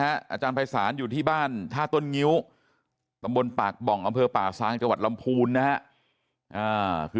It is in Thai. อาจารย์ภัยศาลอยู่ที่บ้านท่าต้นงิ้วตำบลปากบ่องอำเภอป่าซางจังหวัดลำพูนนะครับ